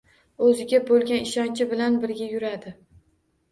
Oʻziga boʻlgan ishonchi bilan birga yuradi.